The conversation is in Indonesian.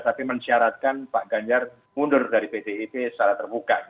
tapi mensyaratkan pak ganjar mundur dari pdip secara terbuka